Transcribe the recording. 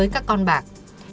các con bạc